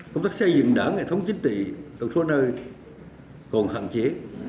còn hạn chế